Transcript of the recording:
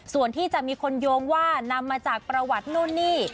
ส่วนที่จะมีคนโยงว่านำมาจากประวัตินู่นนี่